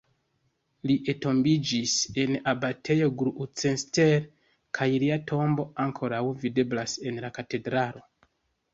Li entombiĝis en Abatejo Gloucester kaj lia tombo ankoraŭ videblas en la katedralo.